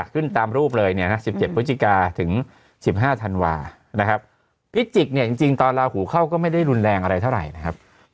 ขึ้นตามรูปเลย๑๗พฤศพถึง๑๕ธันวาพิจิกตอนราศีหูเข้าก็ไม่ได้รุนแรงอะไรเท่าไหร่